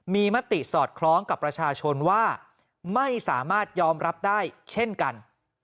มีมติสอดคล้องกับประชาชนว่าไม่สามารถยอมรับได้เช่นกัน